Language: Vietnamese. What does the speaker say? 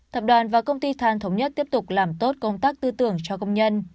tập đoàn và công ty than thống nhất tiếp tục làm tốt công tác tư tưởng cho công nhân